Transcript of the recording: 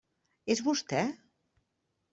És vostè?